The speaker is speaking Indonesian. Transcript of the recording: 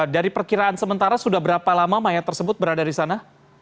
dari perkiraan sementara sudah berapa lama mayat tersebut berada di sana